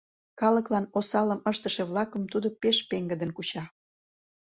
Калыклан осалым ыштыше-влакым тудо пеш пеҥгыдын куча.